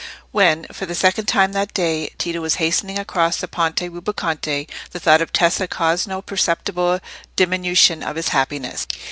When, for the second time that day, Tito was hastening across the Ponte Rubaconte, the thought of Tessa caused no perceptible diminution of his happiness.